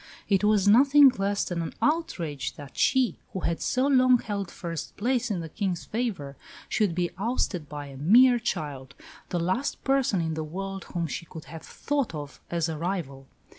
It was nothing less than an outrage that she, who had so long held first place in the King's favour, should be ousted by a "mere child," the last person in the world whom she could have thought of as a rival.